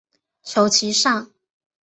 求其上